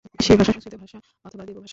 সে-ভাষা সংস্কৃত ভাষা অথবা দেবভাষা।